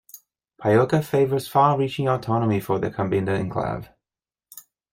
Pajoca favours far-reaching autonomy for the Cabinda enclave.